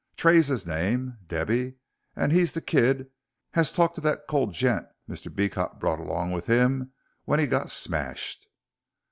Tray's his name, Debby, and he's the kid as talked to that cold gent Mr. Beecot brought along with him when he got smashed."